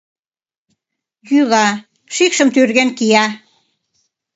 Йӱла, шикшым тӱрген кия.